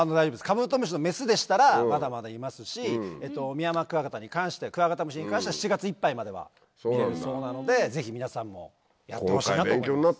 カブトムシのメスでしたらまだまだいますしミヤマクワガタに関しては。までは見れるそうなのでぜひ皆さんもやってほしいなと思います。